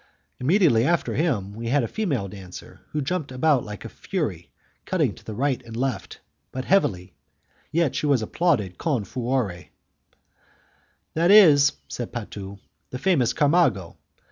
Immediately after him we had a female dancer, who jumped about like a fury, cutting to right and left, but heavily, yet she was applauded 'con furore'. "This is," said Patu, "the famous Camargo.